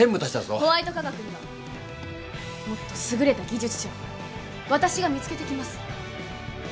ホワイト化学にはもっと優れた技術者を私が見つけてきます。